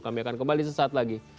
kami akan kembali sesaat lagi